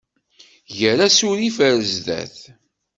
Ger asurif ar zdat!